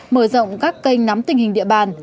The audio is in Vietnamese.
mở rộng các kênh nắm tình hình địa bàn